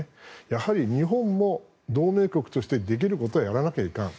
やはり日本も同盟国としてできることはやらなきゃいかん。